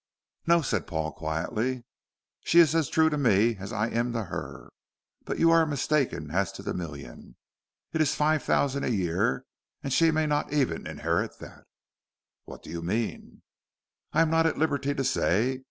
"No," said Paul quietly, "she is as true to me as I am to her. But you are mistaken as to the million. It is five thousand a year, and she may not even inherit that." "What do you mean?" "I am not at liberty to say.